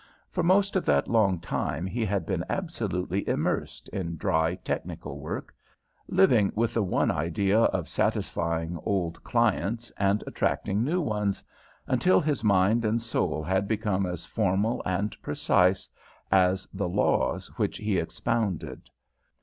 For most of that long time he had been absolutely immersed in dry, technical work, living with the one idea of satisfying old clients and attracting new ones, until his mind and soul had become as formal and precise as the laws which he expounded.